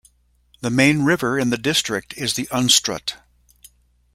The main river in the district is the Unstrut.